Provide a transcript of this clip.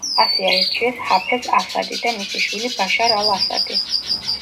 ასე აირჩიეს ჰაფეზ ასადი და მისი შვილი ბაშარ ალ-ასადი.